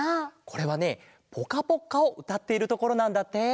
これはね「ぽかぽっか」をうたっているところなんだって。